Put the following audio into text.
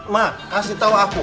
ma kasih tau aku